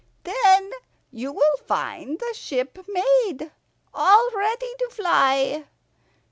Then you will find the ship made, all ready to fly.